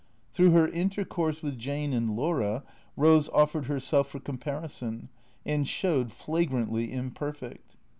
Through her intercourse with Jane and Laiira, Eose offered herself for comparison, and showed flagrantly imperfect.